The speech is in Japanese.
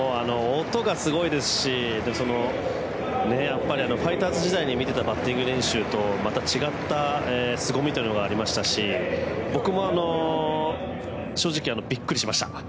音がすごいですしファイターズ時代に見ていたバッティング練習とまた違ったすごみがありましたし僕も正直、ビックリしました。